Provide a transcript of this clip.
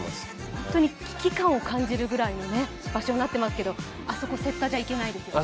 本当に危機感を感じるぐらいの場所になってますけどあそこ、せったじゃ行けないですね